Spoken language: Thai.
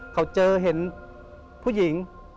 เขาเจอเห็นผู้หญิง